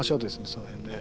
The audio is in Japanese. その辺ね。